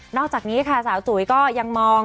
อกจากนี้ค่ะสาวจุ๋ยก็ยังมอง